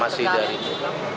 masih dari itu